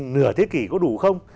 nửa thế kỷ có đủ không